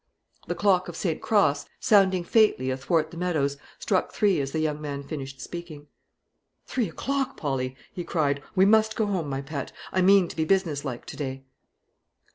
The clock of St. Cross, sounding faintly athwart the meadows, struck three as the young man finished speaking. "Three o'clock, Polly!" he cried; "we must go home, my pet. I mean to be businesslike to day."